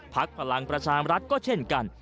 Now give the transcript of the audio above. พลังประชามรัฐก็เช่นกัน